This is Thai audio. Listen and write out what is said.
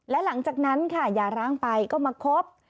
และหลังจากนั้นค่ะอย่าร้างไปก็มาคบ